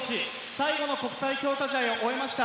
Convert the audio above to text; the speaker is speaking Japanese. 最後の国際強化試合を終えました。